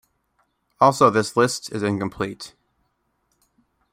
Also this list is incomplete.